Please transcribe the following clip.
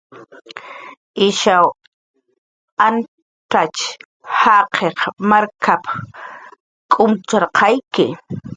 "Ishaw antzatx jaqiq markap"" k'umtxarqayki"